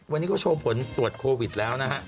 วันนี้ก็โชว์ผลตรวจโควิดแล้วนะฮะ